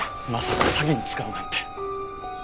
まさか詐欺に使うなんて。